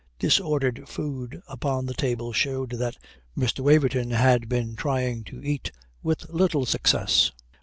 Disordered food upon the table showed that Mr. Waverton had been trying to eat with little success.